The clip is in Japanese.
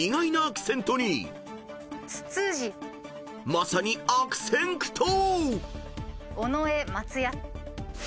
［まさに悪戦苦闘！］